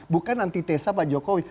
bukan anti tesa pak jokowi